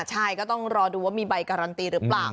ใช่ก็ต้องรอดูว่ามีใบการันตีหรือเปล่า